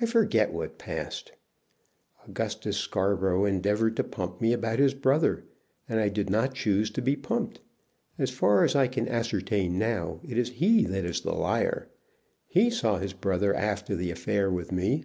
"I forget what passed. Augustus Scarborough endeavored to pump me about his brother, and I did not choose to be pumped. As far as I can ascertain now, it is he that is the liar. He saw his brother after the affair with me."